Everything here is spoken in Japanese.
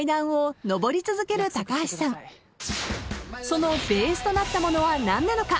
［そのベースとなったものは何なのか？］